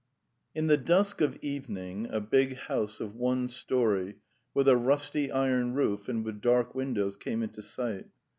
III In the dusk of evening a big house of one storey, with a rusty iron roof and with dark windows, came into sight.